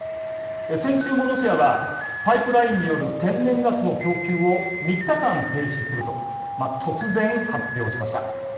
先週もロシアは、パイプラインによる天然ガスの供給を３日間停止すると、突然発表しました。